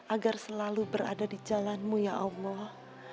agar selalu berada di jalanmu ya allah